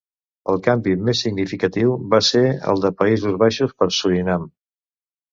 El canvi més significatiu va ser el de Països Baixos per Surinam.